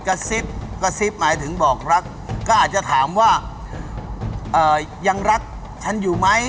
กระซิบกระซิบหมายถึงบอกรักก็อาจจะถามว่ายังรักฉันอยู่ไหม